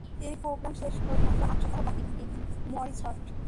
এই প্রোগ্রাম শেষ হতে আর মাত্র আট সপ্তাহ বাকি, মরিসট।